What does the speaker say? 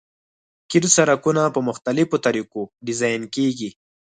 قیر سرکونه په مختلفو طریقو ډیزاین کیږي